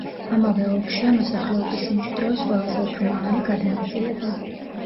ამავე ოლქშია მოსახლეობის სიმჭიდროვის ყველაზე უფრო მაღალი გადანაწილება.